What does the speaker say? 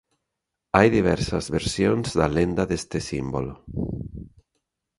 Hai diversas versións da lenda deste símbolo.